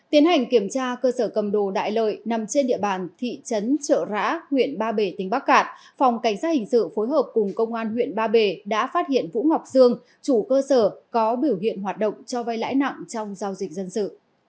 tiến hành kiểm tra cơ sở cầm đồ đại lợi nằm trên địa bàn thị trấn trợ rã huyện ba bể tỉnh bắc cạn phòng cảnh sát hình sự phối hợp cùng công an huyện ba bể đã phát hiện vũ ngọc sương chủ cơ sở có biểu hiện hoạt động cho vay lãi nặng trong giao dịch dân sự